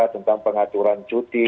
tentang pengaturan cuti